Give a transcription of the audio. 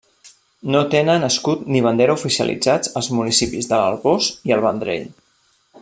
No tenen escut ni bandera oficialitzats els municipis de l'Arboç i el Vendrell.